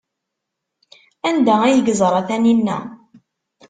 Anda ay yeẓra Taninna?